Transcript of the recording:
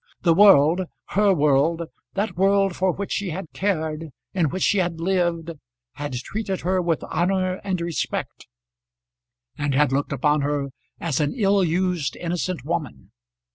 The world, her world, that world for which she had cared, in which she had lived, had treated her with honour and respect, and had looked upon her as an ill used innocent woman.